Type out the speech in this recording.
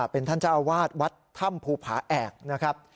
เป็นท่านเจ้าอาวาสวัดถ้ำภูผาแอกนะครับ